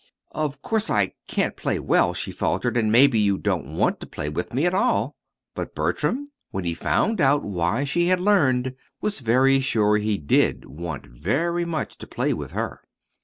"Of course I can't play well," she faltered; "and maybe you don't want to play with me at all." But Bertram, when he found out why she had learned, was very sure he did want very much to play with her.